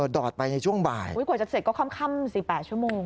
กว่าจะเสร็จก็ค่ำสิ๘ชั่วโมง